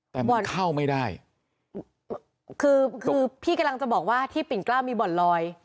แต่บ่อนเข้าไม่ได้คือคือพี่กำลังจะบอกว่าที่ปิ่นกล้าวมีบ่อนลอย